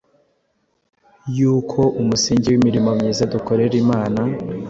yuko umusingi w’imirimo myiza dukorera Imana,